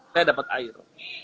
saya dapat air